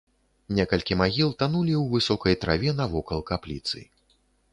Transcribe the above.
Некалькі магіл танулі ў высокай траве навокал капліцы.